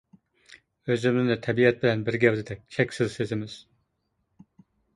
ئۆزىمىزنى تەبىئەت بىلەن بىر گەۋدىدەك چەكسىز سېزىمىز.